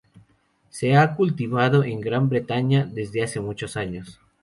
Se ha cultivado en Gran Bretaña desde hace muchos años.